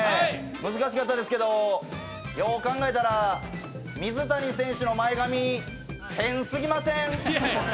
難しかったですけど、よう考えたら水谷選手の前髪、変すぎません？